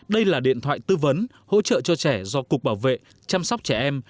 đây là điện thoại tư vấn hỗ trợ cho trẻ do cục bảo vệ chăm sóc trẻ em